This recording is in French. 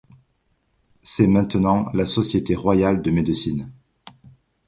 C'est maintenant la Société Royale de Médecine.